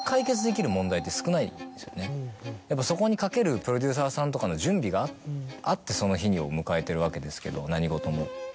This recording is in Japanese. やっぱそこにかけるプロデューサーさんとかの準備があってその日を迎えているわけですけど何事も。